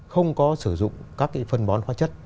không có sử dụng các phần bón khoa chất